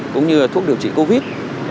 cũng như thuốc điều trị covid